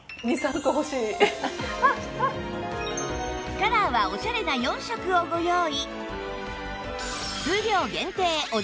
カラーはオシャレな４色をご用意